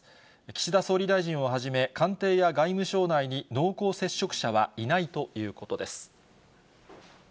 岸田総理大臣をはじめ、官邸や外務省内に濃厚接触者はいないということです。